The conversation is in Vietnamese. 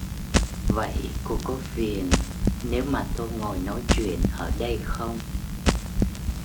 Vậy cô có phiền nếu mà tôi ngồi nói chuyện ở đây không